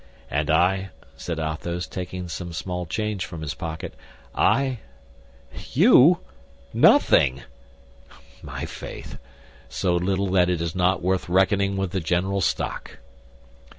"And I," said Athos, taking some small change from his pocket, "I—" "You? Nothing!" "My faith! So little that it is not worth reckoning with the general stock."